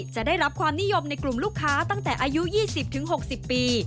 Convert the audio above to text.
จะได้รับความนิยมในกลุ่มลูกค้าตั้งแต่อายุ๒๐๖๐ปี